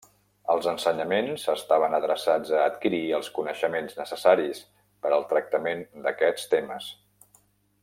Els ensenyaments estaven adreçats a adquirir els coneixements necessaris per al tractament d'aquests temes.